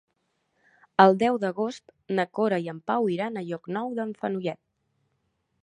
El deu d'agost na Cora i en Pau iran a Llocnou d'en Fenollet.